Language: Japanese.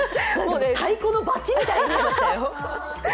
太鼓のバチみたいに見えましたよ。